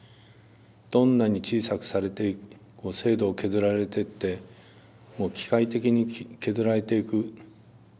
どんなに小さくされて制度を削られてってもう機械的に削られていく。